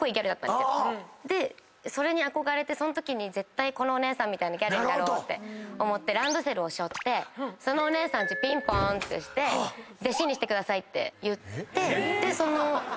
それに憧れてそんときに絶対このお姉さんみたいなギャルになろうって思ってランドセルをしょってそのお姉さんちピンポーンってして弟子にしてくださいって言ってそのギャルの。